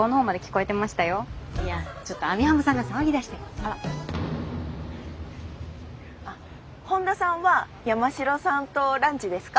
あっ本田さんは山城さんとランチですか？